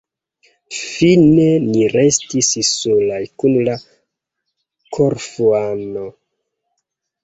Fine ni restis solaj, kun la Korfuano.